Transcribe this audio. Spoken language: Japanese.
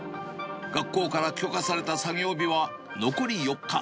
学校から許可された作業日は、残り４日。